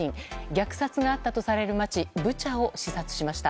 虐殺があったとされる街ブチャを視察しました。